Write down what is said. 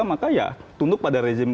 maka ya tunduk pada rezim